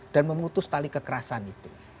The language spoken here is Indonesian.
dan memutus tali kekerasan itu